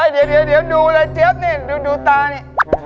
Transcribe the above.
เดี๋ยวดูเลยเจี๊ยบนี่ดูตานี่